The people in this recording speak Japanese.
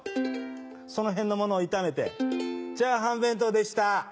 そのへんのものを炒めて、チャーハン弁当でした。